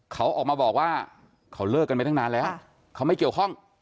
เขาออกมาบอกว่าเขาเลิกกันไปตั้งนานแล้วเขาไม่เกี่ยวข้อง